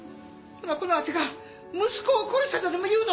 このわてが息子を殺したとでもいうの？